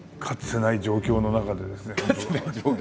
「かつてない状況の中で」。